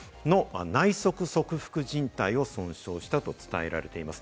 内側側副じん帯を損傷したと伝えられています。